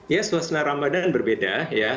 ya suasana ramadan berbeda